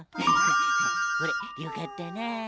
ほれよかったな。